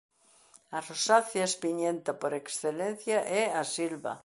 A rosácea espiñenta por excelencia é a silva.